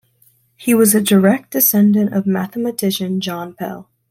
He was a direct descendant of mathematician John Pell.